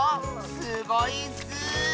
すごいッス！